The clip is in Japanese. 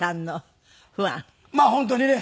まあ本当にね